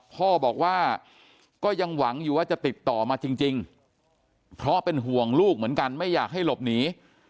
พ่อบอกว่าก็ยังหวังอยู่ว่าจะติดต่อมาจริงเพราะเป็นห่วงลูกเหมือนกันไม่อยากให้หลบหนี